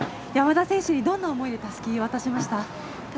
山田選手にどんな思い出たすきを渡しました？